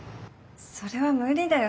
それは無理だよ